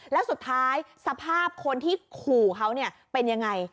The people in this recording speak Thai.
แล้วสุดท้ายสภาพคนที่ขู่เขาเป็นยังไง